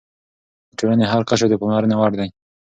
د ټولنې هر قشر د پاملرنې وړ دی.